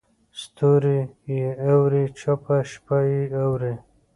ستوري یې اوري چوپه شپه یې اوري